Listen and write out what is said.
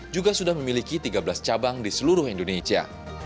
juga sudah memiliki tiga belas cabang di seluruh indonesia